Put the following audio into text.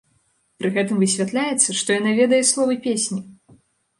Пры гэтым высвятляецца, што яна ведае словы песні!